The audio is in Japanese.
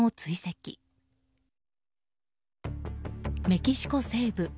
メキシコ西部。